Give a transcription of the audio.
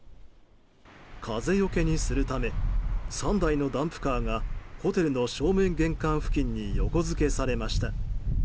風よけにするため３台のダンプカーがホテルの正面玄関付近に横付けされました。